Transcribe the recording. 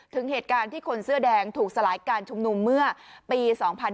ถึงเหตุการณ์ที่คนเสื้อแดงถูกสลายการชุมนุมเมื่อปี๒๕๕๙